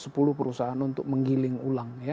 sepuluh perusahaan untuk menggiling ulang ya